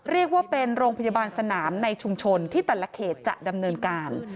เรียกว่าเป็นโรงพยาบาลสนามในชุมชนที่แต่ละเขตจะดำเนินการ